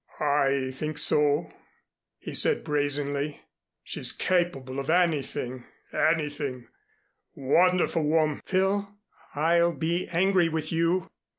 "I think so," he said brazenly. "She's capable of anything anything wonderful wom " "Phil, I'll be angry with you."